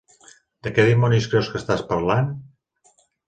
De què dimonis creus que estàs parlant?